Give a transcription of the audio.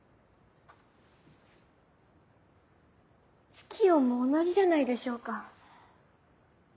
ツキヨンも同じじゃないでしょうか。